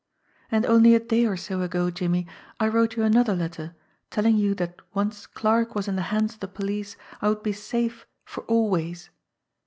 And only a day or so ago, Jimmie, I wrote you another letter telling you that once Clarke was in the hands of the police I would be safe for always.